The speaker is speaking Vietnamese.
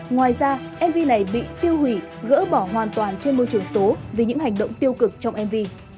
ngoài ra mv này bị tiêu hủy gỡ bỏ hoàn toàn trên môi trường số vì những hành động tiêu cực trong mv